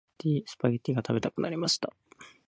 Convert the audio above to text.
スパゲッティが食べたくなりました。